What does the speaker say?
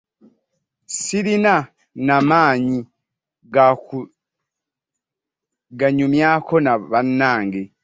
Ssirina na maanyi ganyumyako na bannange.